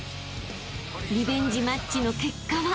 ［リベンジマッチの結果は？］